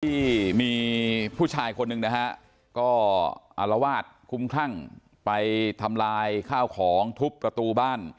ที่มีผู้ชายคนหนึ่งนะฮะก็อารวาสคุ้มคลั่งไปทำลายข้าวของทุบประตูบ้าน